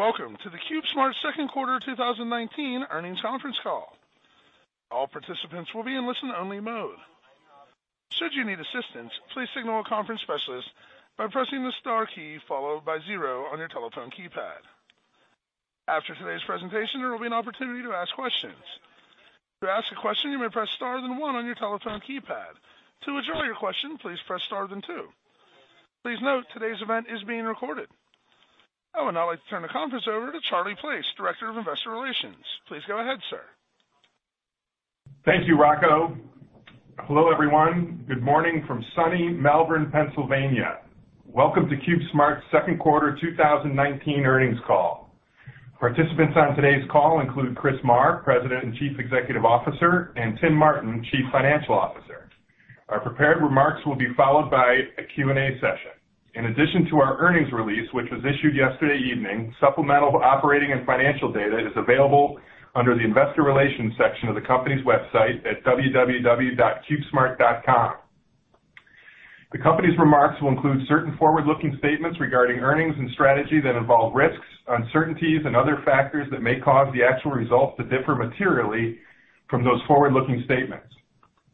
Welcome to the CubeSmart second quarter 2019 earnings conference call. All participants will be in listen-only mode. Should you need assistance, please signal a conference specialist by pressing the star key followed by zero on your telephone keypad. After today's presentation, there will be an opportunity to ask questions. To ask a question, you may press star then one on your telephone keypad. To withdraw your question, please press star then two. Please note, today's event is being recorded. I would now like to turn the conference over to Charlie Place, Director of Investor Relations. Please go ahead, sir. Thank you, Rocco. Hello, everyone. Good morning from sunny Malvern, Pennsylvania. Welcome to CubeSmart's second quarter 2019 earnings call. Participants on today's call include Chris Marr, President and Chief Executive Officer, and Tim Martin, Chief Financial Officer. Our prepared remarks will be followed by a Q&A session. In addition to our earnings release, which was issued yesterday evening, supplemental operating and financial data is available under the investor relations section of the company's website at www.cubesmart.com. The company's remarks will include certain forward-looking statements regarding earnings and strategy that involve risks, uncertainties, and other factors that may cause the actual results to differ materially from those forward-looking statements.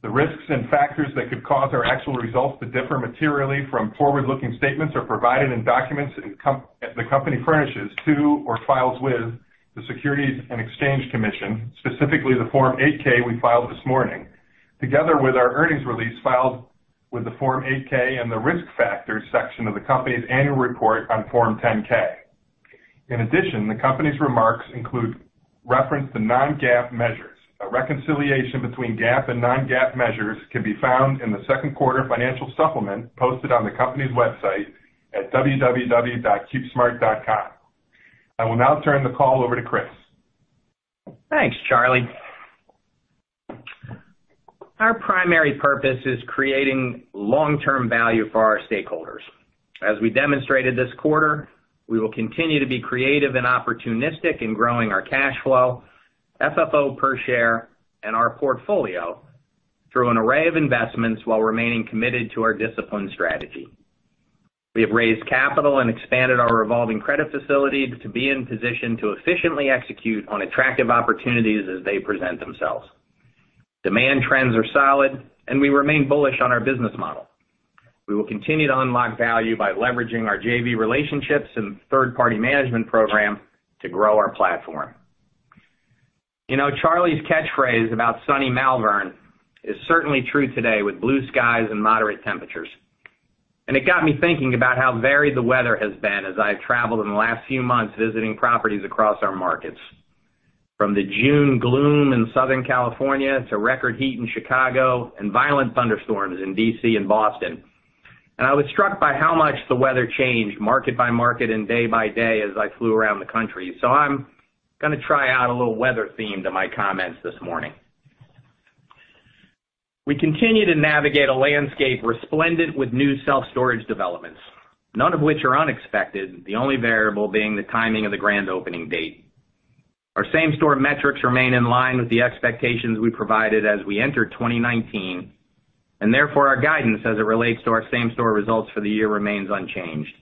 The risks and factors that could cause our actual results to differ materially from forward-looking statements are provided in documents the company furnishes to or files with the Securities and Exchange Commission, specifically the Form 8-K we filed this morning, together with our earnings release filed with the Form 8-K and the Risk Factors section of the company's annual report on Form 10-K. In addition, the company's remarks include reference to non-GAAP measures. A reconciliation between GAAP and non-GAAP measures can be found in the second quarter financial supplement posted on the company's website at www.cubesmart.com. I will now turn the call over to Chris. Thanks, Charlie. Our primary purpose is creating long-term value for our stakeholders. As we demonstrated this quarter, we will continue to be creative and opportunistic in growing our cash flow, FFO per share, and our portfolio through an array of investments while remaining committed to our disciplined strategy. We have raised capital and expanded our revolving credit facility to be in position to efficiently execute on attractive opportunities as they present themselves. Demand trends are solid, and we remain bullish on our business model. We will continue to unlock value by leveraging our JV relationships and third-party management program to grow our platform. Charlie's catchphrase about sunny Malvern is certainly true today with blue skies and moderate temperatures, it got me thinking about how varied the weather has been as I've traveled in the last few months visiting properties across our markets, from the June gloom in Southern California to record heat in Chicago and violent thunderstorms in D.C. and Boston. I was struck by how much the weather changed market by market and day by day as I flew around the country. I'm going to try out a little weather theme to my comments this morning. We continue to navigate a landscape resplendent with new self-storage developments, none of which are unexpected, the only variable being the timing of the grand opening date. Our same-store metrics remain in line with the expectations we provided as we enter 2019, and therefore, our guidance as it relates to our same-store results for the year remains unchanged.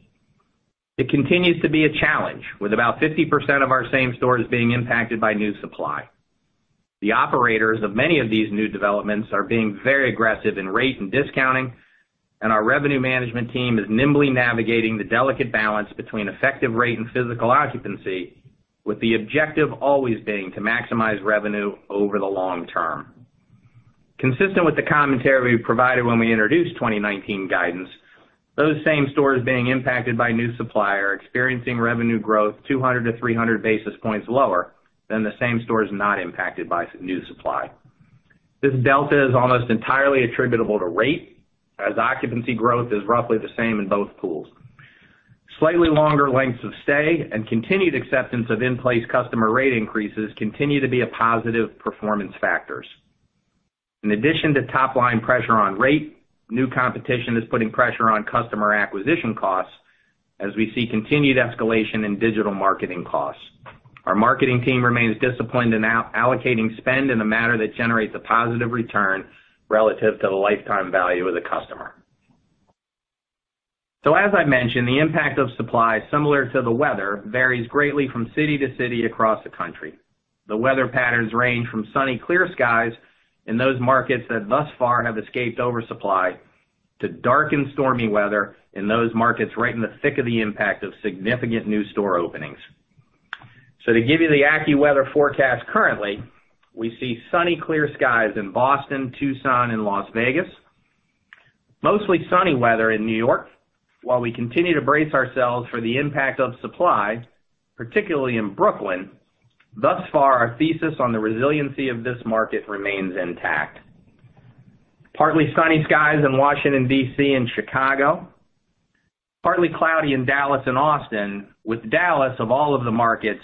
It continues to be a challenge, with about 50% of our same stores being impacted by new supply. The operators of many of these new developments are being very aggressive in rate and discounting, and our revenue management team is nimbly navigating the delicate balance between effective rate and physical occupancy, with the objective always being to maximize revenue over the long term. Consistent with the commentary we provided when we introduced 2019 guidance, those same stores being impacted by new supply are experiencing revenue growth 200 to 300 basis points lower than the same stores not impacted by new supply. This delta is almost entirely attributable to rate, as occupancy growth is roughly the same in both pools. Slightly longer lengths of stay and continued acceptance of in-place customer rate increases continue to be a positive performance factors. In addition to top-line pressure on rate, new competition is putting pressure on customer acquisition costs as we see continued escalation in digital marketing costs. Our marketing team remains disciplined in allocating spend in a manner that generates a positive return relative to the lifetime value of the customer. As I mentioned, the impact of supply, similar to the weather, varies greatly from city to city across the country. The weather patterns range from sunny, clear skies in those markets that thus far have escaped oversupply to dark and stormy weather in those markets right in the thick of the impact of significant new store openings. To give you the AccuWeather forecast currently, we see sunny, clear skies in Boston, Tucson, and Las Vegas. Mostly sunny weather in New York, while we continue to brace ourselves for the impact of supply, particularly in Brooklyn. Thus far, our thesis on the resiliency of this market remains intact. Partly sunny skies in Washington, D.C. and Chicago. Partly cloudy in Dallas and Austin, with Dallas, of all of the markets,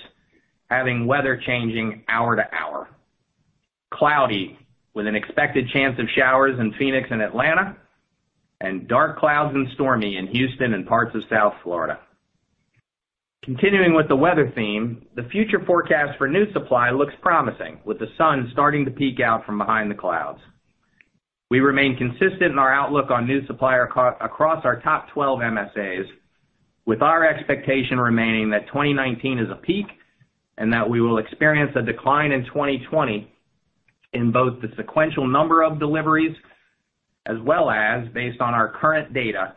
having weather changing hour to hour. Cloudy with an expected chance of showers in Phoenix and Atlanta, and dark clouds and stormy in Houston and parts of South Florida. Continuing with the weather theme, the future forecast for new supply looks promising, with the sun starting to peek out from behind the clouds. We remain consistent in our outlook on new supply across our top 12 MSAs, with our expectation remaining that 2019 is a peak, and that we will experience a decline in 2020 in both the sequential number of deliveries, as well as based on our current data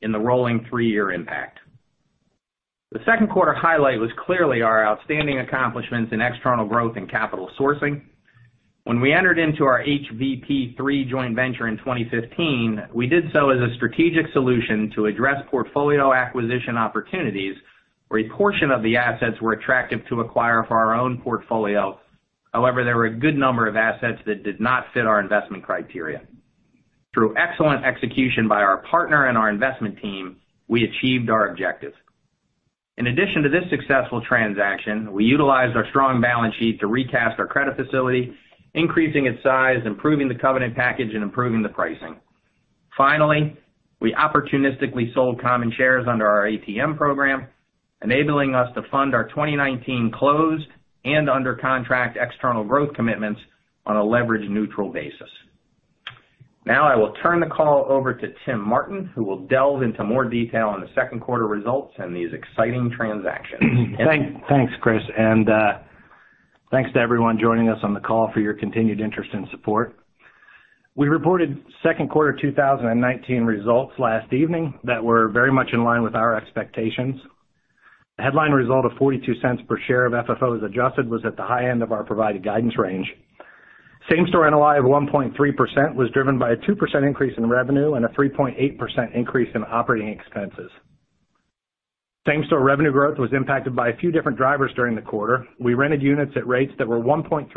in the rolling three-year impact. The second quarter highlight was clearly our outstanding accomplishments in external growth and capital sourcing. When we entered into our HVP3 joint venture in 2015, we did so as a strategic solution to address portfolio acquisition opportunities where a portion of the assets were attractive to acquire for our own portfolio. However, there were a good number of assets that did not fit our investment criteria. Through excellent execution by our partner and our investment team, we achieved our objective. In addition to this successful transaction, we utilized our strong balance sheet to recast our credit facility, increasing its size, improving the covenant package, and improving the pricing. Finally, we opportunistically sold common shares under our ATM program, enabling us to fund our 2019 closed and under contract external growth commitments on a leverage-neutral basis. Now I will turn the call over to Tim Martin, who will delve into more detail on the second quarter results and these exciting transactions. Thanks, Chris, and thanks to everyone joining us on the call for your continued interest and support. We reported second quarter 2019 results last evening that were very much in line with our expectations. The headline result of $0.42 per share of FFO as adjusted was at the high end of our provided guidance range. Same-store NOI of 1.3% was driven by a 2% increase in revenue and a 3.8% increase in operating expenses. Same-store revenue growth was impacted by a few different drivers during the quarter. We rented units at rates that were 1.3%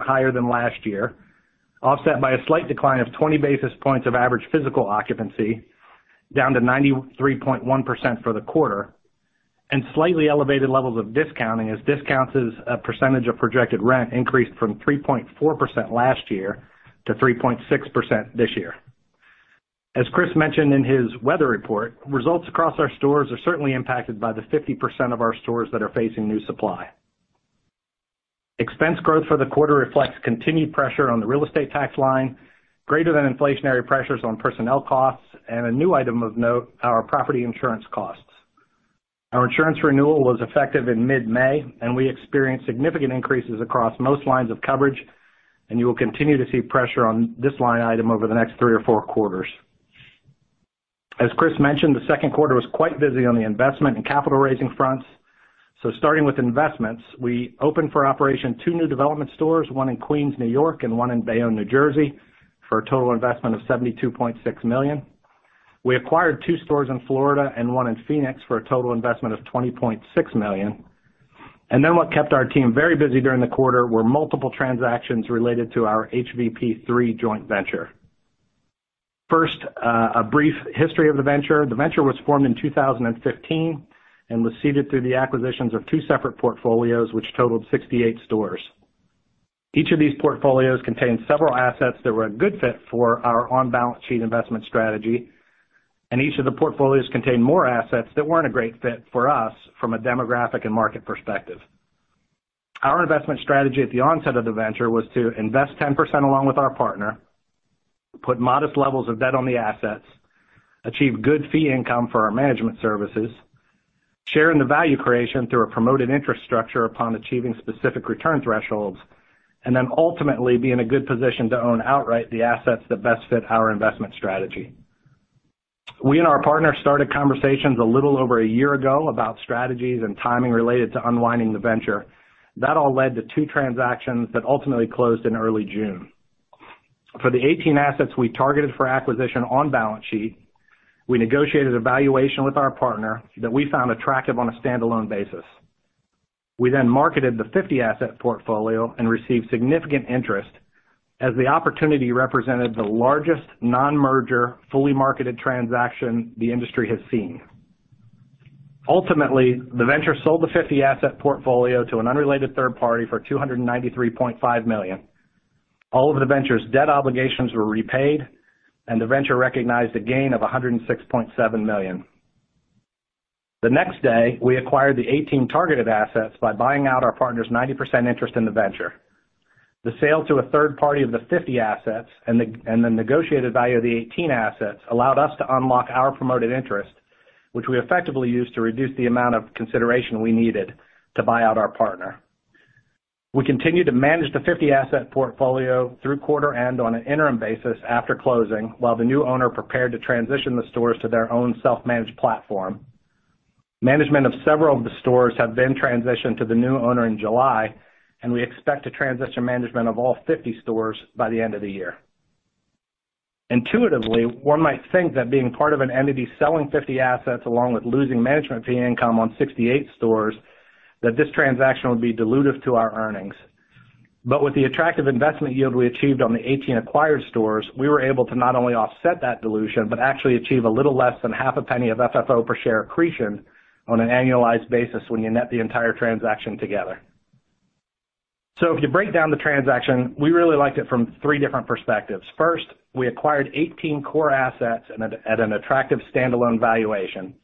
higher than last year, offset by a slight decline of 20 basis points of average physical occupancy, down to 93.1% for the quarter, and slightly elevated levels of discounting as discounts as a percentage of projected rent increased from 3.4% last year to 3.6% this year. As Chris mentioned in his weather report, results across our stores are certainly impacted by the 50% of our stores that are facing new supply. Expense growth for the quarter reflects continued pressure on the real estate tax line, greater than inflationary pressures on personnel costs, and a new item of note, our property insurance costs. Our insurance renewal was effective in mid-May, and we experienced significant increases across most lines of coverage, and you will continue to see pressure on this line item over the next three or four quarters. As Chris mentioned, the second quarter was quite busy on the investment and capital raising fronts. Starting with investments, we opened for operation two new development stores, one in Queens, New York, and one in Bayonne, New Jersey, for a total investment of $72.6 million. We acquired two stores in Florida and one in Phoenix for a total investment of $20.6 million. Then what kept our team very busy during the quarter were multiple transactions related to our HVP3 joint venture. First, a brief history of the venture. The venture was formed in 2015 and was seeded through the acquisitions of two separate portfolios, which totaled 68 stores. Each of these portfolios contained several assets that were a good fit for our on-balance sheet investment strategy, and each of the portfolios contained more assets that weren't a great fit for us from a demographic and market perspective. Our investment strategy at the onset of the venture was to invest 10% along with our partner, put modest levels of debt on the assets, achieve good fee income for our management services, share in the value creation through a promoted interest structure upon achieving specific return thresholds, and then ultimately be in a good position to own outright the assets that best fit our investment strategy. We and our partner started conversations a little over one year ago about strategies and timing related to unwinding the venture. That all led to two transactions that ultimately closed in early June. For the 18 assets we targeted for acquisition on balance sheet, we negotiated a valuation with our partner that we found attractive on a standalone basis. We marketed the 50 asset portfolio and received significant interest as the opportunity represented the largest non-merger, fully marketed transaction the industry has seen. Ultimately, the venture sold the 50 asset portfolio to an unrelated third party for $293.5 million. All of the venture's debt obligations were repaid, and the venture recognized a gain of $106.7 million. The next day, we acquired the 18 targeted assets by buying out our partner's 90% interest in the venture. The sale to a third party of the 50 assets and the negotiated value of the 18 assets allowed us to unlock our promoted interest, which we effectively used to reduce the amount of consideration we needed to buy out our partner. We continued to manage the 50 asset portfolio through quarter and on an interim basis after closing, while the new owner prepared to transition the stores to their own self-managed platform. Management of several of the stores have then transitioned to the new owner in July, and we expect to transition management of all 50 stores by the end of the year. Intuitively, one might think that being part of an entity selling 50 assets along with losing management fee income on 68 stores, that this transaction would be dilutive to our earnings. With the attractive investment yield we achieved on the 18 acquired stores, we were able to not only offset that dilution, but actually achieve a little less than half a penny of FFO per share accretion on an annualized basis when you net the entire transaction together. If you break down the transaction, we really liked it from three different perspectives. First, we acquired 18 core assets at an attractive standalone valuation.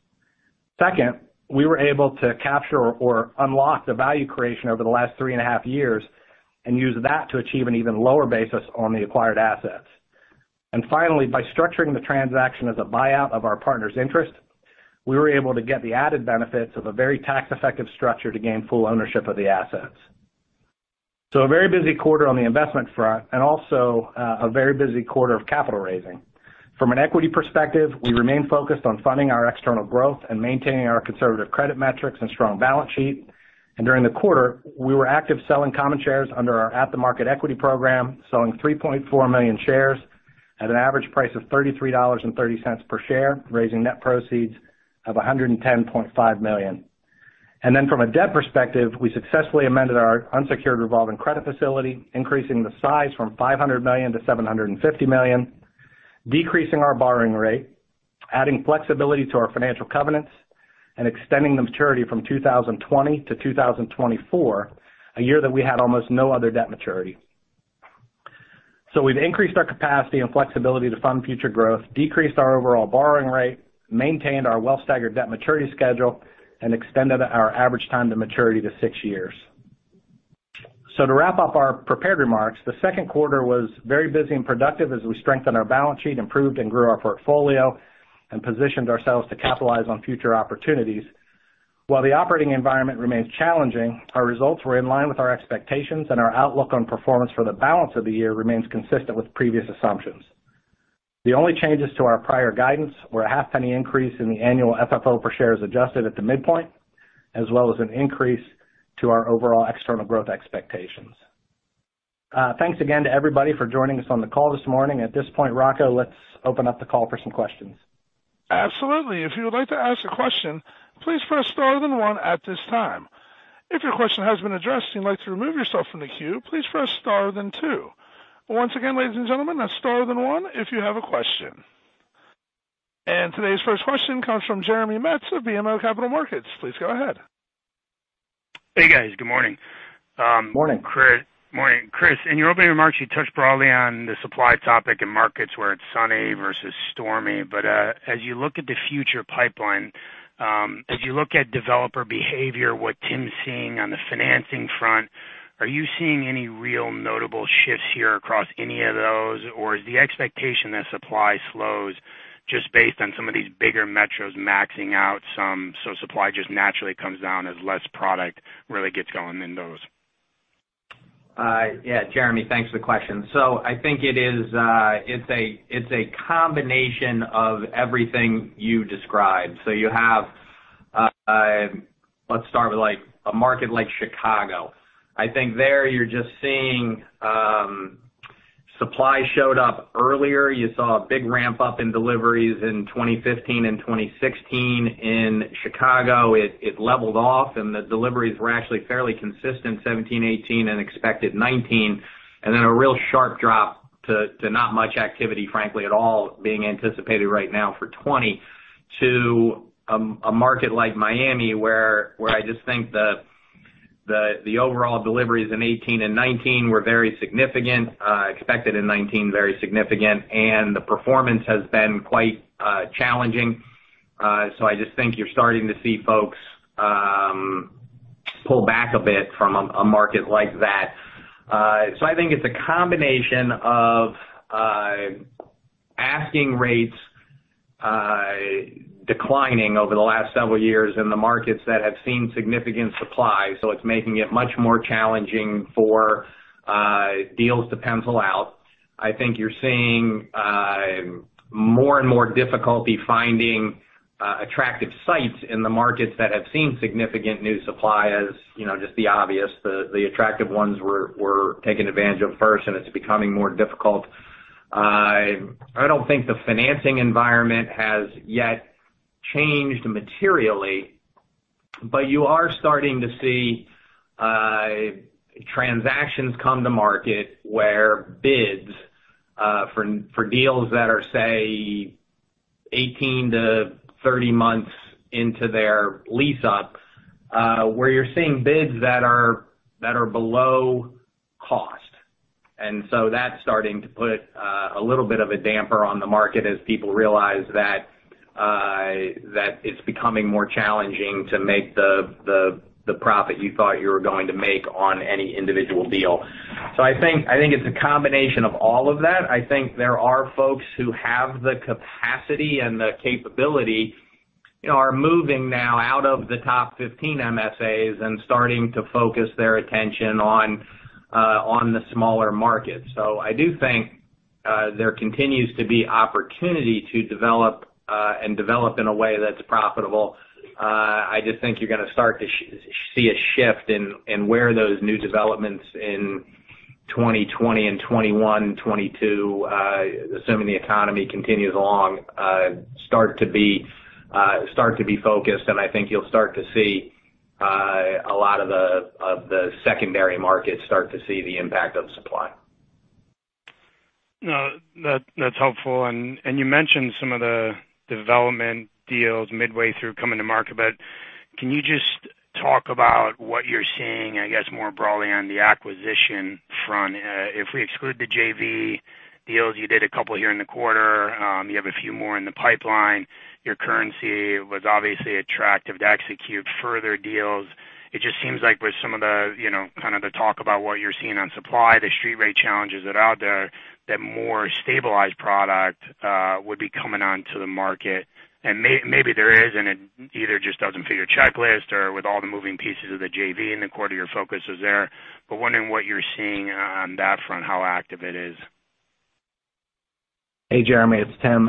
Second, we were able to capture or unlock the value creation over the last three and a half years and use that to achieve an even lower basis on the acquired assets. Finally, by structuring the transaction as a buyout of our partner's interest, we were able to get the added benefits of a very tax-effective structure to gain full ownership of the assets. A very busy quarter on the investment front, and also a very busy quarter of capital raising. From an equity perspective, we remain focused on funding our external growth and maintaining our conservative credit metrics and strong balance sheet. During the quarter, we were active selling common shares under our at-the-market equity program, selling 3.4 million shares at an average price of $33.30 per share, raising net proceeds of $110.5 million. From a debt perspective, we successfully amended our unsecured revolving credit facility, increasing the size from $500 million to $750 million, decreasing our borrowing rate, adding flexibility to our financial covenants, and extending the maturity from 2020 to 2024, a year that we had almost no other debt maturity. We've increased our capacity and flexibility to fund future growth, decreased our overall borrowing rate, maintained our well-staggered debt maturity schedule, and extended our average time to maturity to six years. To wrap up our prepared remarks, the second quarter was very busy and productive as we strengthened our balance sheet, improved and grew our portfolio, and positioned ourselves to capitalize on future opportunities. While the operating environment remains challenging, our results were in line with our expectations, and our outlook on performance for the balance of the year remains consistent with previous assumptions. The only changes to our prior guidance were a $0.005 increase in the annual FFO per share as adjusted at the midpoint, as well as an increase to our overall external growth expectations. Thanks again to everybody for joining us on the call this morning. At this point, Rocco, let's open up the call for some questions. Absolutely. If you would like to ask a question, please press star then one at this time. If your question has been addressed and you'd like to remove yourself from the queue, please press star then two. Once again, ladies and gentlemen, that's star then one if you have a question. Today's first question comes from Jeremy Metz of BMO Capital Markets. Please go ahead. Hey, guys. Good morning. Morning. Morning. Chris, in your opening remarks, you touched broadly on the supply topic and markets where it's sunny versus stormy. As you look at the future pipeline, as you look at developer behavior, what Tim's seeing on the financing front, are you seeing any real notable shifts here across any of those? Is the expectation that supply slows just based on some of these bigger metros maxing out some, so supply just naturally comes down as less product really gets going in those? Jeremy, thanks for the question. I think it's a combination of everything you described. Let's start with a market like Chicago. I think there you're just seeing supply showed up earlier. You saw a big ramp-up in deliveries in 2015 and 2016 in Chicago. It leveled off and the deliveries were actually fairly consistent in 17, 18, and expected 19. A real sharp drop to not much activity, frankly, at all being anticipated right now for 20. To a market like Miami, where I just think the overall deliveries in 18 and 19 were very significant, expected in 19 very significant, and the performance has been quite challenging. I just think you're starting to see folks pull back a bit from a market like that. I think it's a combination of asking rates declining over the last several years in the markets that have seen significant supply. It's making it much more challenging for deals to pencil out. I think you're seeing more and more difficulty finding attractive sites in the markets that have seen significant new supply as just the obvious, the attractive ones were taken advantage of first, and it's becoming more difficult. I don't think the financing environment has yet changed materially, but you are starting to see transactions come to market where bids for deals that are, say, 18 months-30 months into their lease-up, where you're seeing bids that are below cost. That's starting to put a little bit of a damper on the market as people realize that it's becoming more challenging to make the profit you thought you were going to make on any individual deal. I think it's a combination of all of that. I think there are folks who have the capacity and the capability are moving now out of the top 15 MSAs and starting to focus their attention on the smaller markets. I do think there continues to be opportunity to develop and develop in a way that's profitable. I just think you're going to start to see a shift in where those new developments in 2020 and 2021, 2022, assuming the economy continues along, start to be focused, and I think you'll start to see a lot of the secondary markets start to see the impact of supply. That's helpful. You mentioned some of the development deals midway through coming to market. Can you just talk about what you're seeing, I guess, more broadly on the acquisition front? If we exclude the JV deals, you did a couple here in the quarter, you have a few more in the pipeline. Your currency was obviously attractive to execute further deals. It just seems like with some of the talk about what you're seeing on supply, the street rate challenges that are out there, that more stabilized product would be coming onto the market. Maybe there is, and it either just doesn't fit your checklist or with all the moving pieces of the JV in the quarter, your focus is there, but wondering what you're seeing on that front, how active it is. Hey, Jeremy, it's Tim.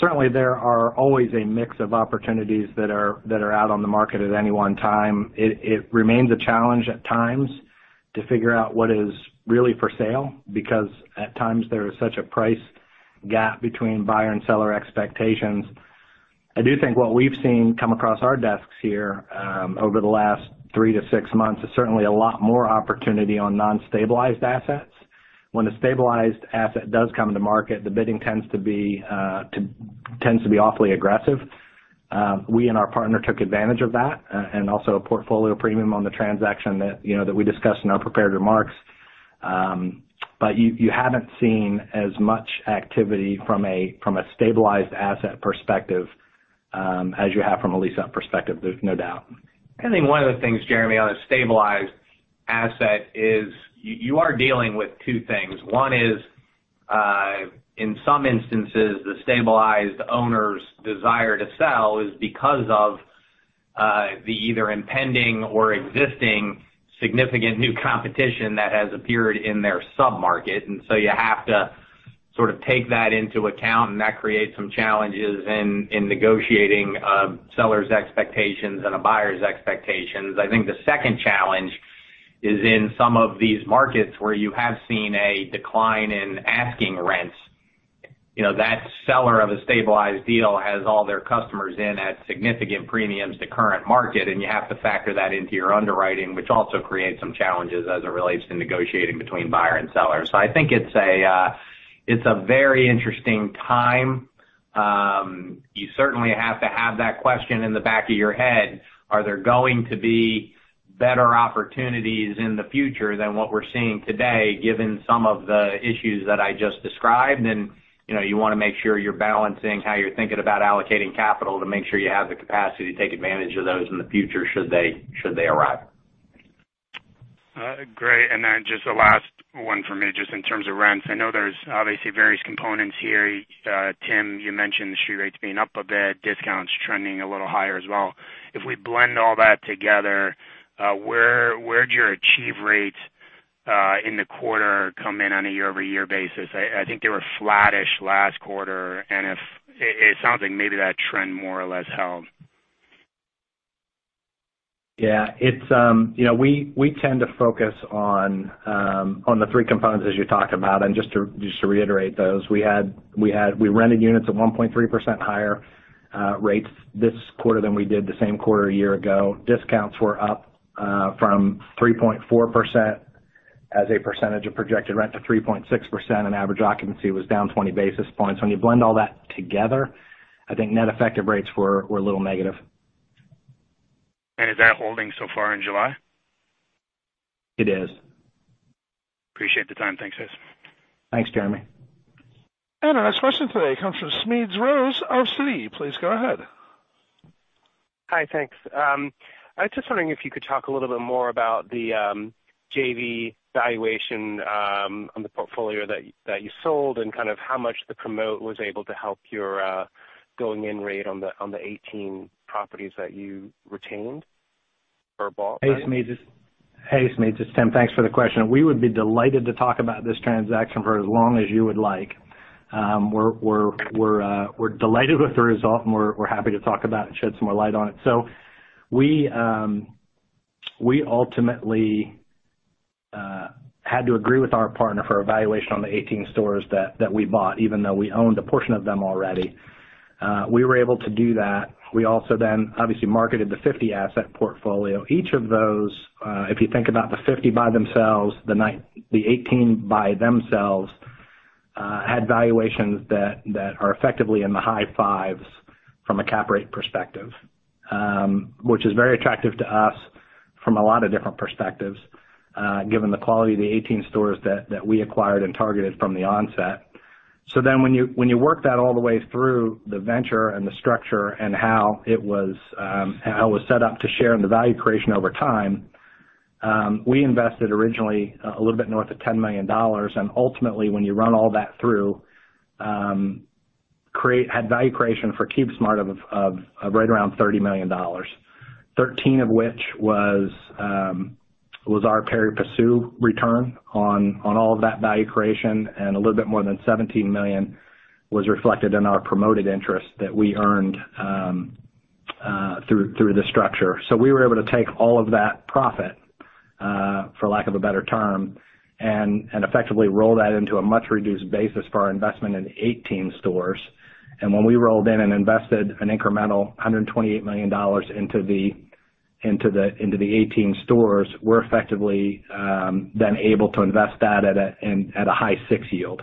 Certainly, there are always a mix of opportunities that are out on the market at any one time. It remains a challenge at times to figure out what is really for sale, because at times there is such a price gap between buyer and seller expectations. I do think what we've seen come across our desks here, over the last three to six months, is certainly a lot more opportunity on non-stabilized assets. When a stabilized asset does come to market, the bidding tends to be awfully aggressive. We and our partner took advantage of that, and also a portfolio premium on the transaction that we discussed in our prepared remarks. You haven't seen as much activity from a stabilized asset perspective, as you have from a lease-up perspective, there's no doubt. I think one of the things, Jeremy, on a stabilized asset is you are dealing with two things. One is, in some instances, the stabilized owner's desire to sell is because of the either impending or existing significant new competition that has appeared in their sub-market. You have to sort of take that into account, and that creates some challenges in negotiating a seller's expectations and a buyer's expectations. I think the second challenge is in some of these markets where you have seen a decline in asking rents. That seller of a stabilized deal has all their customers in at significant premiums to current market, and you have to factor that into your underwriting, which also creates some challenges as it relates to negotiating between buyer and seller. I think it's a very interesting time. You certainly have to have that question in the back of your head. Are there going to be better opportunities in the future than what we're seeing today, given some of the issues that I just described? You want to make sure you're balancing how you're thinking about allocating capital to make sure you have the capacity to take advantage of those in the future, should they arrive. Great. Just the last one from me, just in terms of rents. I know there's obviously various components here. Tim, you mentioned the street rates being up a bit, discounts trending a little higher as well. If we blend all that together, where'd your achieve rates, in the quarter, come in on a year-over-year basis? I think they were flattish last quarter, and it sounds like maybe that trend more or less held. Yeah. We tend to focus on the three components as you talked about, and just to reiterate those, we rented units at 1.3% higher rates this quarter than we did the same quarter a year ago. Discounts were up from 3.4% as a percentage of projected rent to 3.6%, and average occupancy was down 20 basis points. When you blend all that together, I think net effective rates were a little negative. Is that holding so far in July? It is. Appreciate the time. Thanks, guys. Thanks, Jeremy. Our next question today comes from Smedes Rose of Citi. Please go ahead. Hi, thanks. I was just wondering if you could talk a little bit more about the JV valuation on the portfolio that you sold and kind of how much the promote was able to help your going-in rate on the 18 properties that you retained or bought. Hey, Smedes, it's Tim. Thanks for the question. We would be delighted to talk about this transaction for as long as you would like. We're delighted with the result, and we're happy to talk about it and shed some more light on it. We ultimately had to agree with our partner for a valuation on the 18 stores that we bought, even though we owned a portion of them already. We were able to do that. We also then obviously marketed the 50-asset portfolio. Each of those, if you think about the 50 by themselves, the 18 by themselves, had valuations that are effectively in the high 5s from a cap rate perspective, which is very attractive to us from a lot of different perspectives, given the quality of the 18 stores that we acquired and targeted from the onset. When you work that all the way through the venture and the structure and how it was set up to share in the value creation over time, we invested originally a little bit north of $10 million. When you run all that through, had value creation for CubeSmart of right around $30 million, 13 of which was our pari passu return on all of that value creation, and a little bit more than $17 million was reflected in our promoted interest that we earned through the structure. We were able to take all of that profit, for lack of a better term, and effectively roll that into a much-reduced basis for our investment in 18 stores. When we rolled in and invested an incremental $128 million into the 18 stores, we're effectively then able to invest that at a high six yield,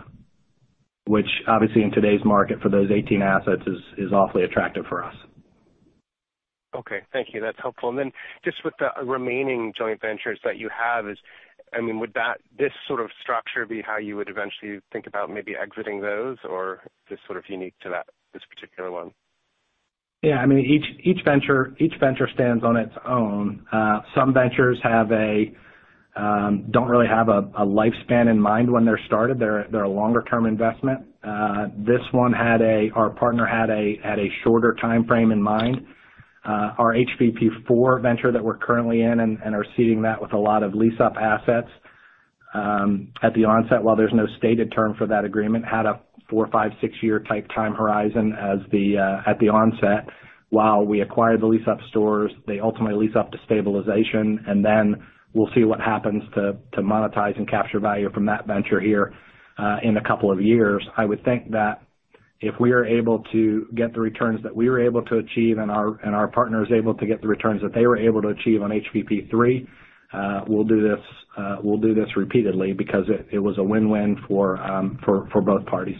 which obviously in today's market for those 18 assets is awfully attractive for us. Okay, thank you. That's helpful. Just with the remaining joint ventures that you have is, would that, this sort of structure, be how you would eventually think about maybe exiting those or just sort of unique to this particular one? Yeah. Each venture stands on its own. Some ventures don't really have a lifespan in mind when they're started. They're a longer-term investment. This one, our partner had a shorter timeframe in mind. Our HVP 4 venture that we're currently in, and are seeding that with a lot of lease-up assets, at the onset, while there's no stated term for that agreement, had a four or five, six-year type time horizon at the onset. While we acquired the lease-up stores, they ultimately lease up to stabilization, and then we'll see what happens to monetize and capture value from that venture here in a couple of years. I would think that if we are able to get the returns that we were able to achieve and our partner is able to get the returns that they were able to achieve on HVP 3, we'll do this repeatedly because it was a win-win for both parties.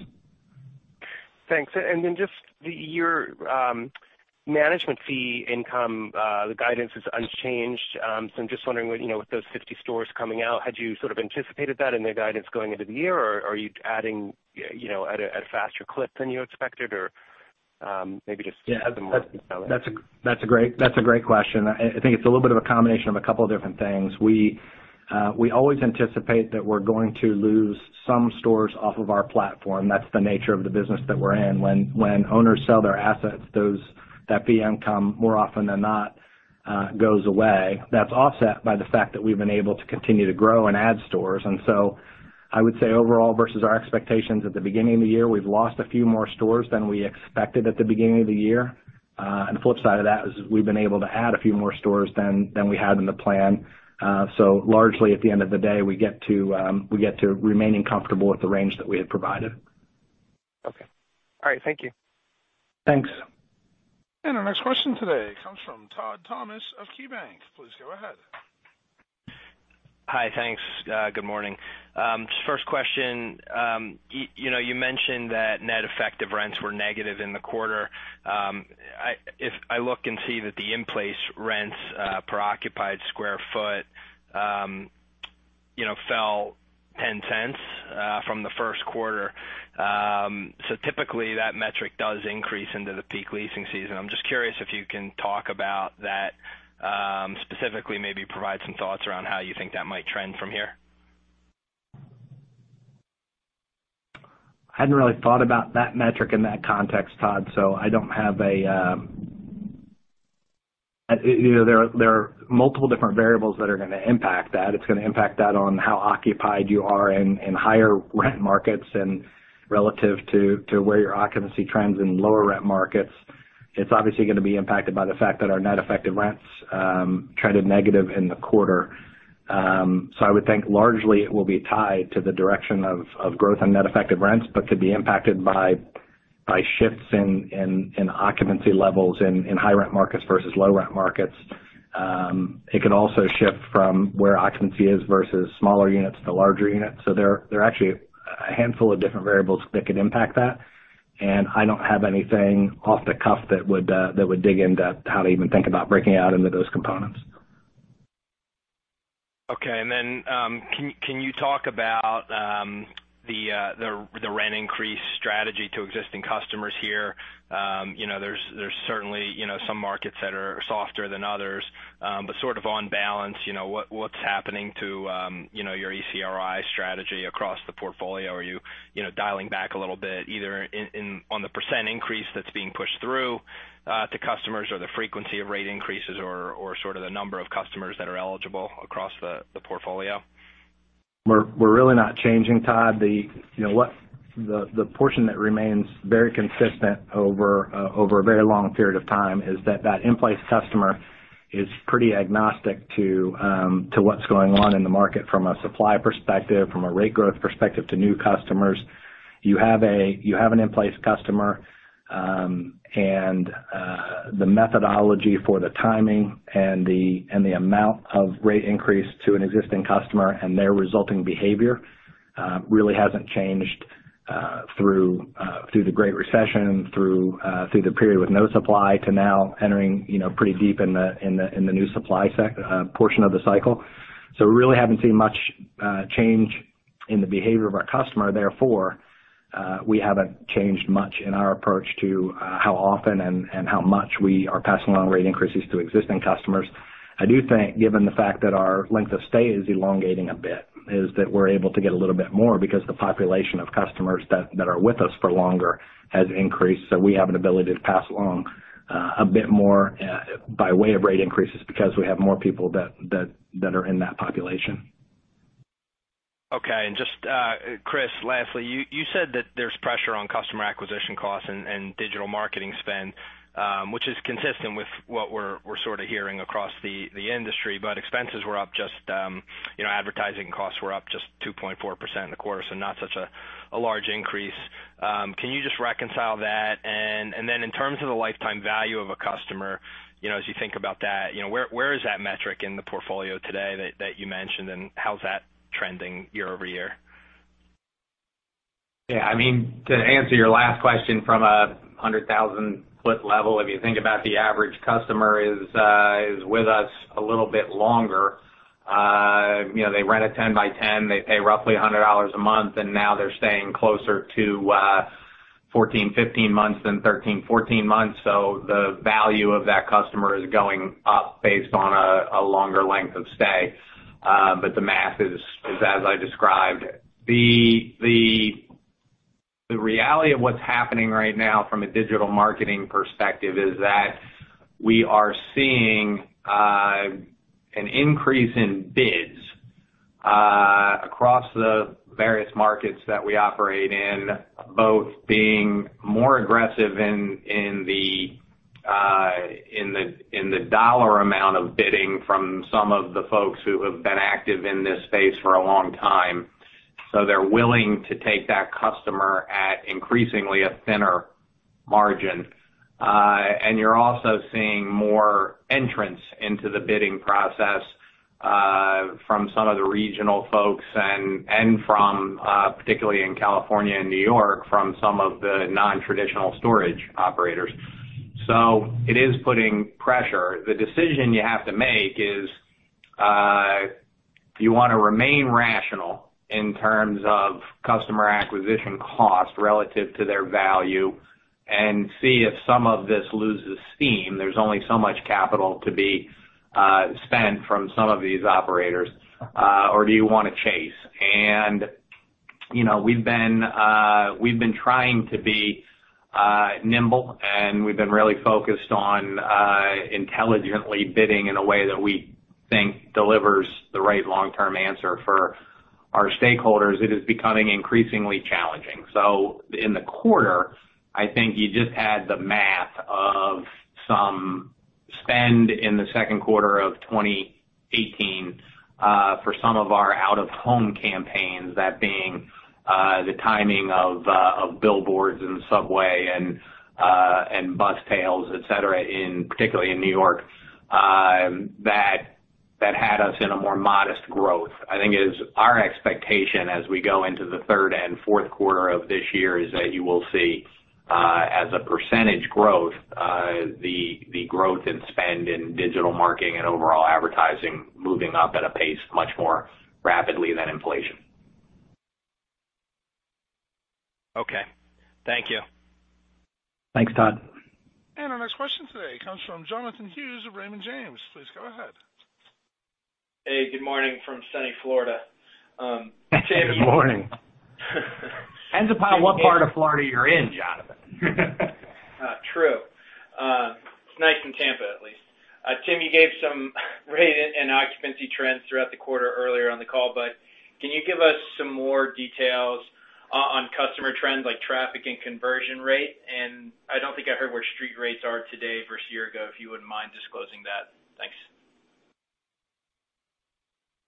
Thanks. Then just your management fee income, the guidance is unchanged. I'm just wondering with those 50 stores coming out, had you sort of anticipated that in the guidance going into the year, or are you adding at a faster clip than you expected? Yeah add some more detail in? That's a great question. I think it's a little bit of a combination of a couple of different things. We always anticipate that we're going to lose some stores off of our platform. That's the nature of the business that we're in. When owners sell their assets, that fee income more often than not goes away. That's offset by the fact that we've been able to continue to grow and add stores. I would say overall versus our expectations at the beginning of the year, we've lost a few more stores than we expected at the beginning of the year. The flip side of that is we've been able to add a few more stores than we had in the plan. Largely at the end of the day, we get to remaining comfortable with the range that we had provided. Okay. All right. Thank you. Thanks. Our next question today comes from Todd Thomas of KeyBanc. Please go ahead. Hi. Thanks. Good morning. First question. You mentioned that net effective rents were negative in the quarter. If I look and see that the in-place rents per occupied square foot fell $0.10 from the first quarter, typically that metric does increase into the peak leasing season. I'm just curious if you can talk about that, specifically, maybe provide some thoughts around how you think that might trend from here. I hadn't really thought about that metric in that context, Todd. There are multiple different variables that are going to impact that. It's going to impact that on how occupied you are in higher rent markets and relative to where your occupancy trends in lower rent markets. It's obviously going to be impacted by the fact that our net effective rents trended negative in the quarter. I would think largely it will be tied to the direction of growth on net effective rents, but could be impacted by shifts in occupancy levels in high rent markets versus low rent markets. It could also shift from where occupancy is versus smaller units to larger units. There are actually a handful of different variables that could impact that, and I don't have anything off the cuff that would dig into how to even think about breaking out into those components. Okay. Then, can you talk about the rent increase strategy to existing customers here? There's certainly some markets that are softer than others. Sort of on balance, what's happening to your ECRI strategy across the portfolio? Are you dialing back a little bit either on the percent increase that's being pushed through to customers or the frequency of rate increases or sort of the number of customers that are eligible across the portfolio? We're really not changing, Todd. The portion that remains very consistent over a very long period of time is that in-place customer is pretty agnostic to what's going on in the market from a supply perspective, from a rate growth perspective to new customers. You have an in-place customer, the methodology for the timing and the amount of rate increase to an existing customer and their resulting behavior really hasn't changed through the Great Recession, through the period with no supply to now entering pretty deep in the new supply portion of the cycle. We really haven't seen much change in the behavior of our customer, therefore, we haven't changed much in our approach to how often and how much we are passing along rate increases to existing customers. I do think, given the fact that our length of stay is elongating a bit, is that we're able to get a little bit more because the population of customers that are with us for longer has increased. We have an ability to pass along a bit more by way of rate increases because we have more people that are in that population. Okay. Chris, lastly, you said that there's pressure on customer acquisition costs and digital marketing spend, which is consistent with what we're sort of hearing across the industry, but advertising costs were up just 2.4% in the quarter, so not such a large increase. Can you just reconcile that? In terms of the lifetime value of a customer, as you think about that, where is that metric in the portfolio today that you mentioned, and how's that trending year-over-year? To answer your last question from a 100,000-foot level, if you think about the average customer is with us a little bit longer. They rent a 10 by 10, they pay roughly $100 a month, and now they're staying closer to 14, 15 months than 13, 14 months. The value of that customer is going up based on a longer length of stay. The math is as I described. The reality of what's happening right now from a digital marketing perspective is that we are seeing an increase in bids across the various markets that we operate in, both being more aggressive in the dollar amount of bidding from some of the folks who have been active in this space for a long time. They're willing to take that customer at increasingly a thinner margin. You're also seeing more entrants into the bidding process from some of the regional folks and from, particularly in California and New York, from some of the non-traditional storage operators. It is putting pressure. The decision you have to make is, do you want to remain rational in terms of customer acquisition cost relative to their value and see if some of this loses steam? There's only so much capital to be spent from some of these operators, or do you want to chase? We've been trying to be nimble, and we've been really focused on intelligently bidding in a way that we think delivers the right long-term answer for our stakeholders. It is becoming increasingly challenging. In the quarter, I think you just add the math of some spend in the second quarter of 2018 for some of our out-of-home campaigns, that being the timing of billboards in the subway and bus tails, et cetera, particularly in New York, that had us in a more modest growth. I think it is our expectation as we go into the third and fourth quarter of this year is that you will see, as a % growth, the growth in spend in digital marketing and overall advertising moving up at a pace much more rapidly than inflation. Okay. Thank you. Thanks, Todd. Our next question today comes from Jonathan Hughes of Raymond James. Please go ahead. Hey, good morning from sunny Florida. Good morning. Depends upon what part of Florida you're in, Jonathan. True. It's nice in Tampa, at least. Tim, you gave some rate and occupancy trends throughout the quarter earlier on the call, can you give us some more details on customer trends like traffic and conversion rate? I don't think I heard where street rates are today versus a year ago, if you wouldn't mind disclosing that. Thanks.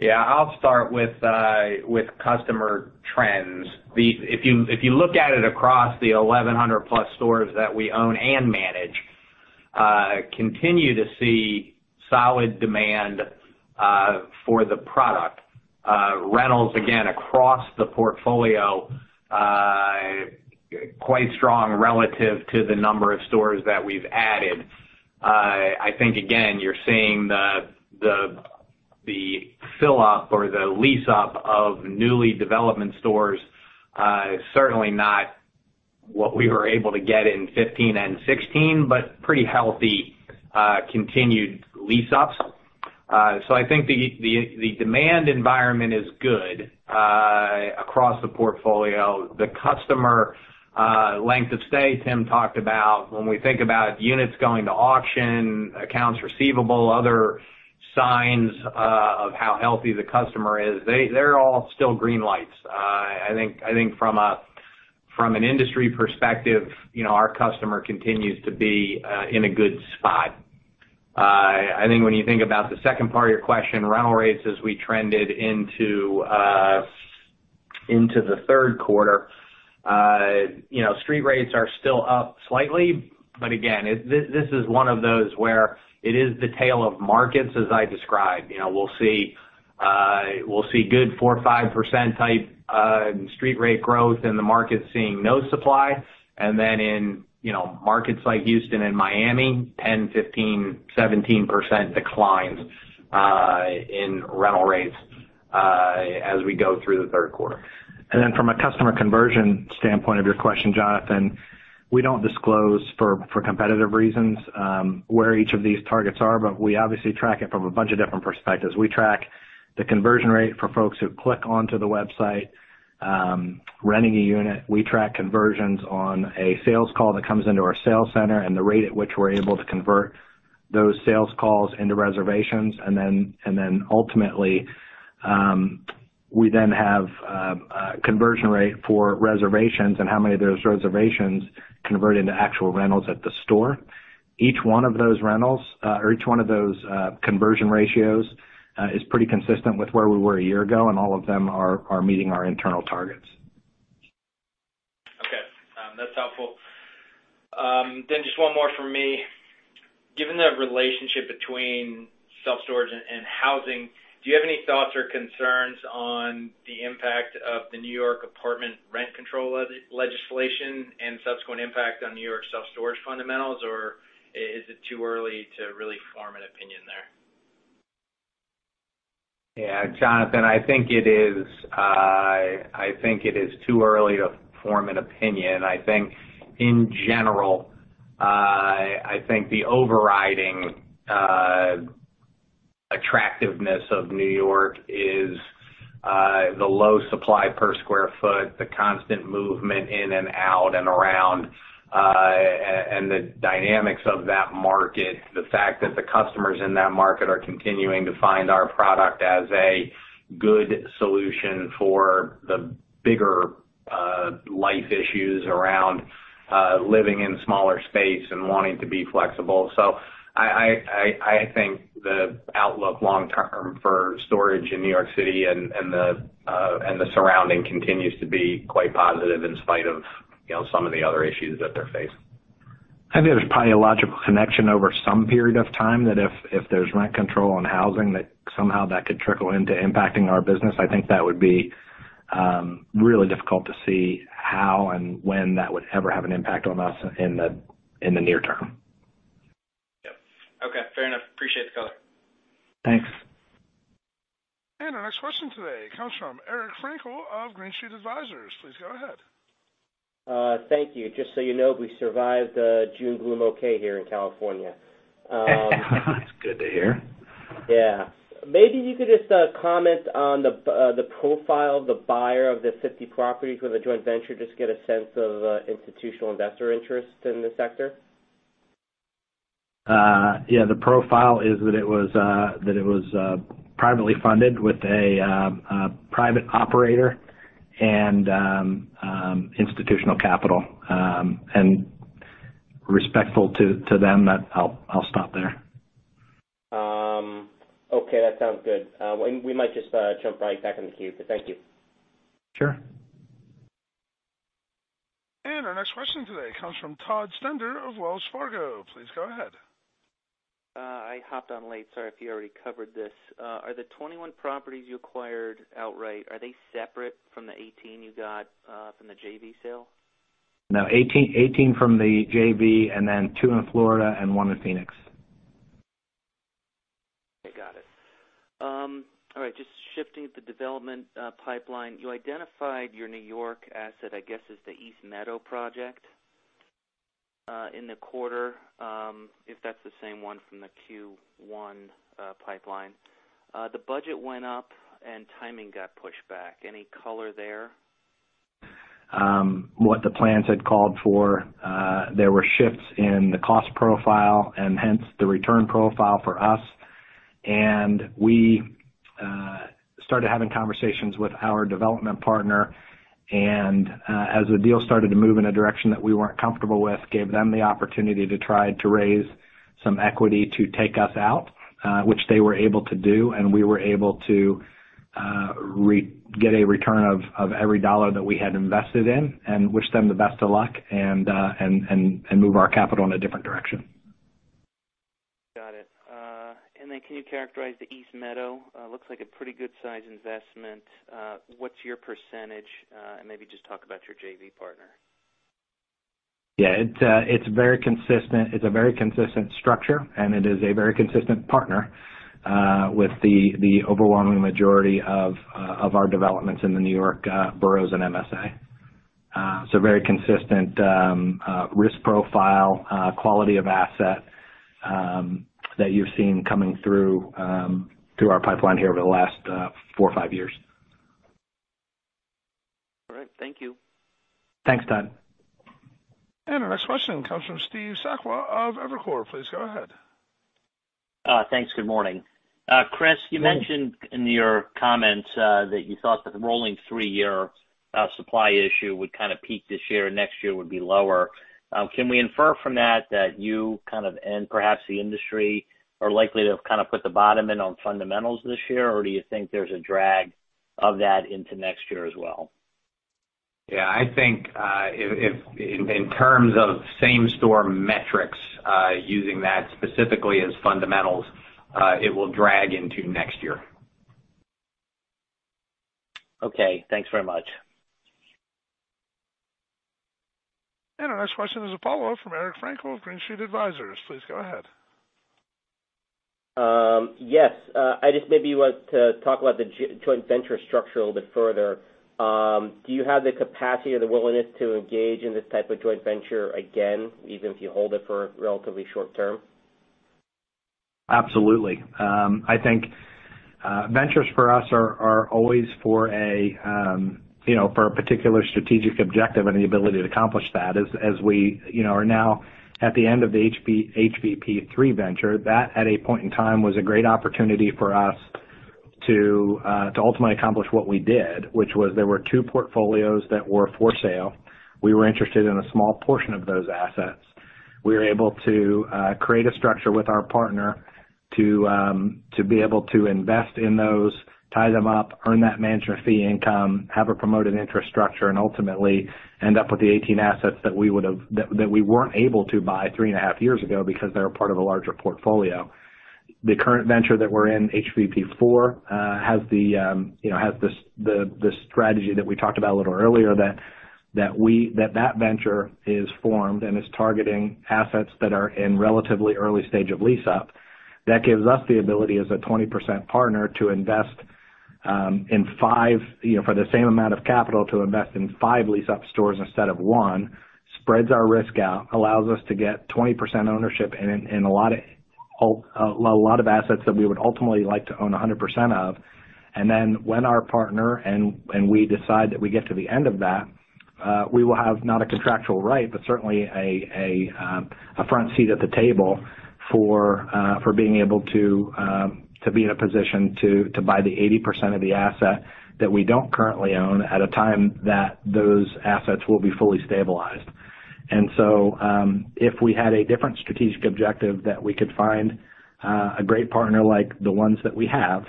Yeah, I'll start with customer trends. If you look at it across the 1,100-plus stores that we own and manage, continue to see solid demand for the product. Rentals, again, across the portfolio, quite strong relative to the number of stores that we've added. I think, again, you're seeing the fill-up or the lease-up of newly development stores, certainly not what we were able to get in 2015 and 2016, but pretty healthy continued lease-ups. I think the demand environment is good across the portfolio. The customer length of stay Tim talked about, when we think about units going to auction, accounts receivable, other signs of how healthy the customer is, they're all still green lights. I think from an industry perspective, our customer continues to be in a good spot. I think when you think about the second part of your question, rental rates as we trended into the third quarter. Street rates are still up slightly, but again, this is one of those where it is the tale of markets, as I described. We'll see good 4%, 5%-type street rate growth in the markets seeing no supply, and then in markets like Houston and Miami, 10%, 15%, 17% declines in rental rates as we go through the third quarter. From a customer conversion standpoint of your question, Jonathan, we don't disclose for competitive reasons where each of these targets are, but we obviously track it from a bunch of different perspectives. We track the conversion rate for folks who click onto the website, renting a unit. We track conversions on a sales call that comes into our sales center and the rate at which we're able to convert those sales calls into reservations. Ultimately, we then have a conversion rate for reservations and how many of those reservations convert into actual rentals at the store. Each one of those conversion ratios is pretty consistent with where we were a year ago, and all of them are meeting our internal targets. That's helpful. Just one more from me. Given the relationship between self-storage and housing, do you have any thoughts or concerns on the impact of the New York apartment rent control legislation and subsequent impact on New York self-storage fundamentals, or is it too early to really form an opinion there? Yeah, Jonathan, I think it is too early to form an opinion. I think in general, I think the overriding attractiveness of New York is the low supply per square foot, the constant movement in and out and around, and the dynamics of that market, the fact that the customers in that market are continuing to find our product as a good solution for the bigger life issues around living in smaller space and wanting to be flexible. I think the outlook long-term for storage in New York City and the surrounding continues to be quite positive in spite of some of the other issues that they're facing. I think there's probably a logical connection over some period of time that if there's rent control on housing, that somehow that could trickle into impacting our business. I think that would be really difficult to see how and when that would ever have an impact on us in the near term. Yep. Okay, fair enough. Appreciate the color. Thanks. Our next question today comes from Eric Frankel of Green Street Advisors. Please go ahead. Thank you. Just so you know, we survived June Gloom okay here in California. That's good to hear. Yeah. Maybe you could just comment on the profile of the buyer of the 50 properties with the joint venture, just get a sense of institutional investor interest in this sector? Yeah, the profile is that it was privately funded with a private operator and institutional capital, and respectful to them that I'll stop there. Okay, that sounds good. We might just jump right back in the queue, but thank you. Sure. Our next question today comes from Todd Stender of Wells Fargo. Please go ahead. I hopped on late, sorry if you already covered this. Are the 21 properties you acquired outright, are they separate from the 18 you got from the JV sale? No, 18 from the JV and then two in Florida and one in Phoenix. Okay, got it. All right, just shifting the development pipeline. You identified your New York asset, I guess, as the East Meadow project in the quarter, if that's the same one from the Q1 pipeline. The budget went up and timing got pushed back. Any color there? What the plans had called for, there were shifts in the cost profile and hence the return profile for us, and we started having conversations with our development partner, and as the deal started to move in a direction that we weren't comfortable with, gave them the opportunity to try to raise some equity to take us out, which they were able to do, and we were able to get a return of every dollar that we had invested in and wish them the best of luck and move our capital in a different direction. Got it. Then can you characterize the East Meadow? Looks like a pretty good size investment. What's your percentage? Maybe just talk about your JV partner. Yeah, it's a very consistent structure, and it is a very consistent partner, with the overwhelming majority of our developments in the New York boroughs and MSA. Very consistent risk profile, quality of asset that you've seen coming through our pipeline here over the last four or five years. All right. Thank you. Thanks, Todd. Our next question comes from Steve Sakwa of Evercore. Please go ahead. Thanks. Good morning. Chris, you mentioned in your comments that you thought that the rolling three-year supply issue would kind of peak this year, next year would be lower. Can we infer from that that you kind of, and perhaps the industry, are likely to kind of put the bottom in on fundamentals this year, or do you think there's a drag of that into next year as well? Yeah, I think, in terms of same-store metrics, using that specifically as fundamentals, it will drag into next year. Okay. Thanks very much. Our next question is a follow-up from Eric Frankel of Green Street Advisors. Please go ahead. Yes. I just maybe want to talk about the joint venture structure a little bit further. Do you have the capacity or the willingness to engage in this type of joint venture again, even if you hold it for relatively short-term? Absolutely. I think ventures for us are always for a particular strategic objective and the ability to accomplish that. As we are now at the end of the HVP3 venture, that at a point in time was a great opportunity for us to ultimately accomplish what we did, which was there were two portfolios that were for sale. We were interested in a small portion of those assets. We were able to create a structure with our partner to be able to invest in those, tie them up, earn that management fee income, have a promoted interest structure, and ultimately end up with the 18 assets that we weren't able to buy three and a half years ago because they were part of a larger portfolio. The current venture that we're in, HVP IV, has the strategy that we talked about a little earlier, that venture is formed and is targeting assets that are in relatively early stage of lease-up. That gives us the ability as a 20% partner, for the same amount of capital, to invest in five lease-up stores instead of one. Spreads our risk out, allows us to get 20% ownership in a lot of assets that we would ultimately like to own 100% of. When our partner and we decide that we get to the end of that, we will have, not a contractual right, but certainly a front seat at the table for being able to be in a position to buy the 80% of the asset that we don't currently own at a time that those assets will be fully stabilized. If we had a different strategic objective that we could find a great partner like the ones that we have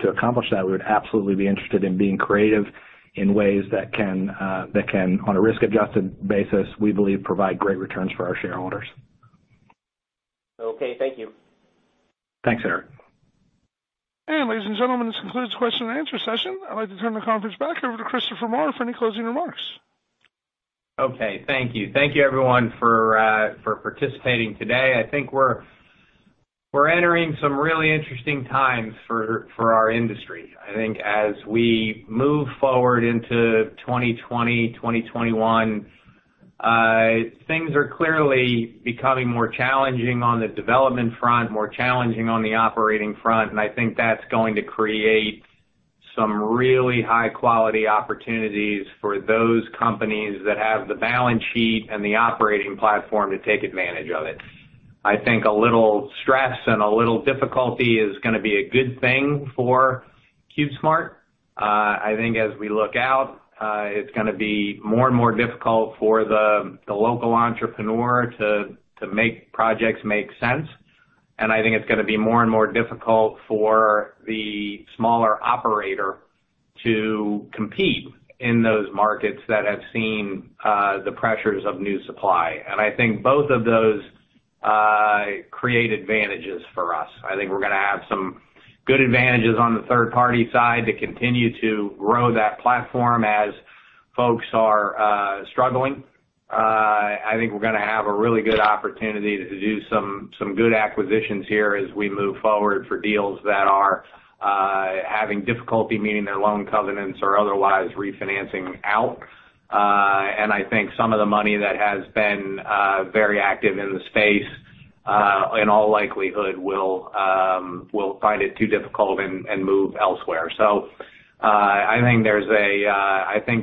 to accomplish that, we would absolutely be interested in being creative in ways that can, on a risk-adjusted basis, we believe, provide great returns for our shareholders. Okay, thank you. Thanks, Eric. Ladies and gentlemen, this concludes the question and answer session. I'd like to turn the conference back over to Chris Marr for any closing remarks. Okay. Thank you. Thank you everyone for participating today. I think we're entering some really interesting times for our industry. I think as we move forward into 2020, 2021, things are clearly becoming more challenging on the development front, more challenging on the operating front, and I think that's going to create some really high-quality opportunities for those companies that have the balance sheet and the operating platform to take advantage of it. I think a little stress and a little difficulty is gonna be a good thing for CubeSmart. I think as we look out, it's gonna be more and more difficult for the local entrepreneur to make projects make sense. I think it's gonna be more and more difficult for the smaller operator to compete in those markets that have seen the pressures of new supply. I think both of those create advantages for us. I think we're gonna have some good advantages on the third-party side to continue to grow that platform as folks are struggling. I think we're gonna have a really good opportunity to do some good acquisitions here as we move forward for deals that are having difficulty meeting their loan covenants or otherwise refinancing out. I think some of the money that has been very active in the space, in all likelihood, will find it too difficult and move elsewhere. I think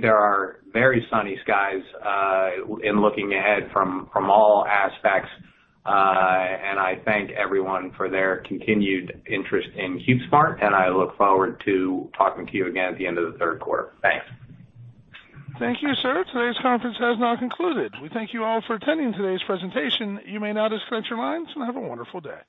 there are very sunny skies in looking ahead from all aspects, and I thank everyone for their continued interest in CubeSmart, and I look forward to talking to you again at the end of the third quarter. Thanks. Thank you, sir. Today's conference has now concluded. We thank you all for attending today's presentation. You may now disconnect your lines, and have a wonderful day.